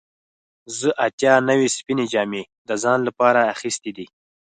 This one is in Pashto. زه اتیا نوي سپینې جامې د ځان لپاره اخیستې دي.